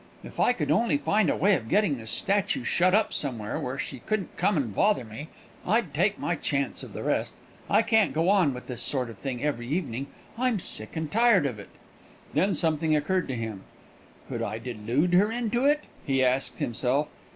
If I could only find a way of getting this statue shut up somewhere where she couldn't come and bother me, I'd take my chance of the rest. I can't go on with this sort of thing every evening. I'm sick and tired of it." Then something occurred to him. "Could I delude her into it?" he asked himself.